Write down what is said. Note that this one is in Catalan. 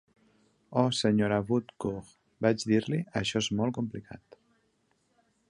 ""Oh, senyora Woodcourt", vaig dir-li, "això és molt complicat"".